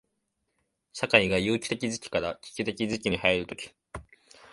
社会が有機的時期から危機的時期に入るとき、